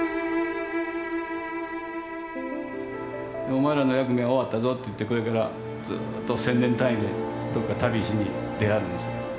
「お前らの役目は終わったぞ」っていってこれからずっと千年単位でどっか旅しに出はるんですよ。